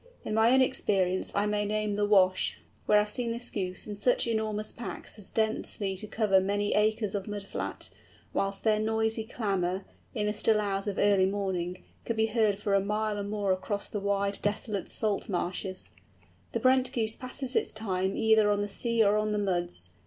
In my own experience I may name the Wash, where I have seen this Goose in such enormous packs as densely to cover many acres of mud flat; whilst their noisy clamour, in the still hours of early morning, could be heard for a mile or more across the wide, desolate salt marshes. The Brent Goose passes its time either on the sea or on the muds.